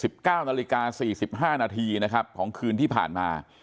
เก้านาฬิกาสี่สิบห้านาทีนะครับของคืนที่ผ่านมา